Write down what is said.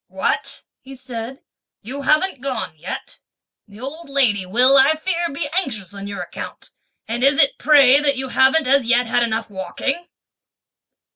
"What," he said, "you haven't gone yet! the old lady will I fear be anxious on your account; and is it pray that you haven't as yet had enough walking?"